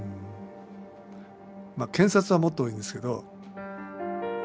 検察はもっと多いですけど。